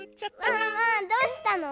ワンワンどうしたの？